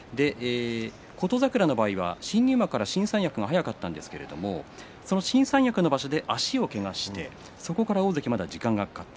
琴櫻の場合は新入幕から新三役が早かったんですけれどもその新三役の場所で足をけがしてそこから大関までは時間がかかった。